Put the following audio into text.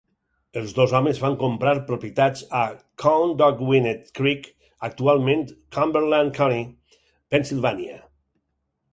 Els dos homes van comprar propietats a Conedogwinet Creek actualment Cumberland County, Pennsylvania.